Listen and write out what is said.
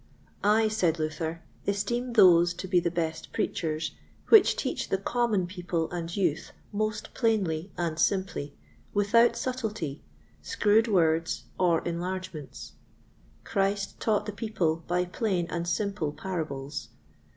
I, said Luther, esteem those to be the best Preachers which teach the common people and youth most plainly and simply, without subtlety, screwed words, or enlargements. Christ taught the people by plain and simple parables.